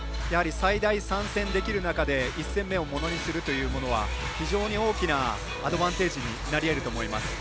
最大３戦できる中で１戦目をものにするというものは非常に大きなアドバンテージになりえると思います。